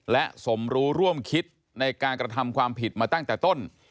และสมรู้ร่วมคิดในการกระทำความผิดมาตั้งแต่ต้น